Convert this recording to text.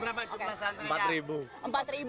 berapa jumlah santri anda